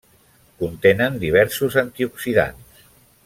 Contenen diversos antioxidants.